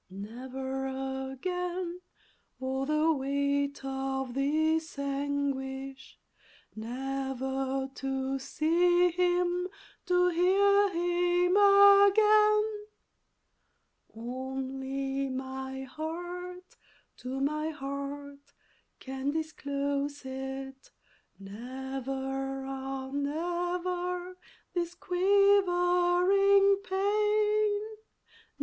Never again! oh the weight of this anguish! Never to see him, to hear him again! Only my heart to my heart can disclose it Never, ah! never this quivering pain!